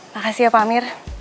makasih ya pak amir